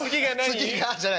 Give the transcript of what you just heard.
「次が？」じゃない。